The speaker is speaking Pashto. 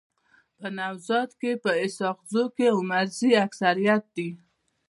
په نوزاد کي په اسحق زو کي عمرزي اکثريت دي.